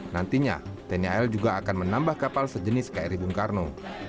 nantinya tni al juga akan menambah kapal sejenis kri bung karno